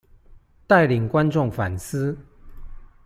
帶領觀眾反思